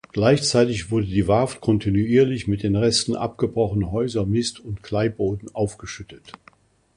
Gleichzeitig wurde die Warft kontinuierlich mit den Resten abgebrochener Häuser, Mist und Kleiboden aufgeschüttet.